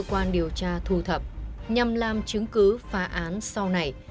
cơ quan điều tra thu thập nhằm làm chứng cứ phá án sau này